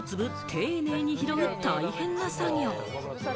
丁寧に拾う、大変な作業。